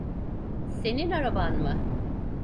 Senin araban mı?